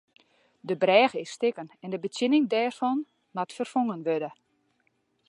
De brêge is stikken en de betsjinning dêrfan moat ferfongen wurde.